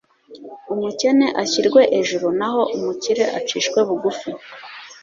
umukene ashyirwe ejuru naho umukire acishwe bugufi